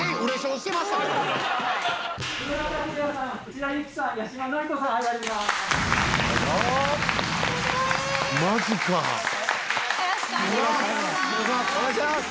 お願いします。